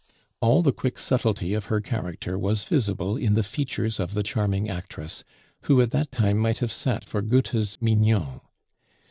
All the quick subtlety of her character was visible in the features of the charming actress, who at that time might have sat for Goethe's Mignon.